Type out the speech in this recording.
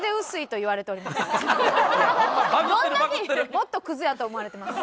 もっとクズやと思われてます。